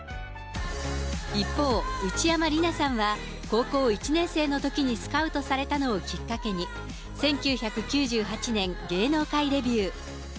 一方、内山理名さんは、高校１年生のときにスカウトされたのをきっかけに、１９９８年、芸能界デビュー。